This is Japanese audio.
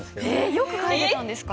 よく書いてたんですか？